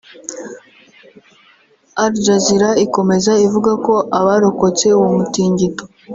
Aljazeera ikomeza ivuga ko abarokotse uwo mutingito